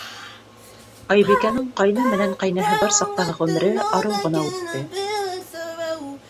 Айбикәнең ҡайны менән ҡәйнәһе бар саҡтағы ғүмере арыу ғына үтте.